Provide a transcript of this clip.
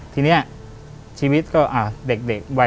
ทีนี้ชีวิตก็เด็กวัย